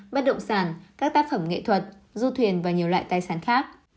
bất động sản các tác phẩm nghệ thuật du thuyền và nhiều loại tài sản khác